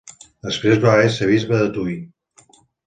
Després va ésser bisbe de Tui.